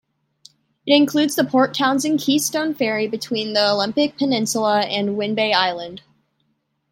It includes the Port Townsend-Keystone Ferry between the Olympic Peninsula and Whidbey Island.